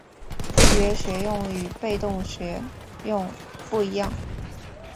自觉学用与被动学用不一样